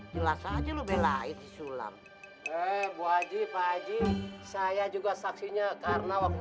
jelas aja lu bella itu sulam eh bu haji pak haji saya juga saksinya karena waktu